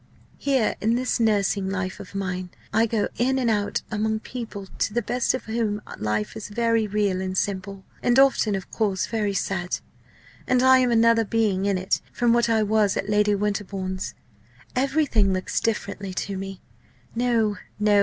"Here in this nursing life of mine, I go in and out among people to the best of whom life is very real and simple and often, of course, very sad. And I am another being in it from what I was at Lady Winterbourne's. Everything looks differently to me. No, no!